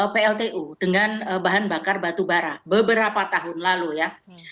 pltu dengan bahan bakar batubara beberapa tahun lalu ya